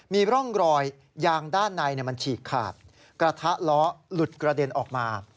มีร่องรอยยางด้านในมันฉีกขาดกระทะล้อหลุดกระเด็นออกมา